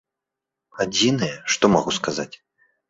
Адзінае, што магу сказаць?